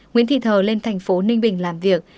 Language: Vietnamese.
nguyễn thị thờ lên thành phố ninh bình làm việc